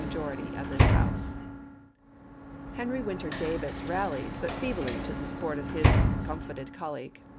majority of this House." Henry Winter Davis ral lied but feebly to the support of his discomfited colleague.